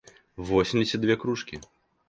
восемьдесят две кружки